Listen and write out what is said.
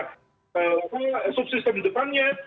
tak amat tergantung dari kinerja subsistem di depannya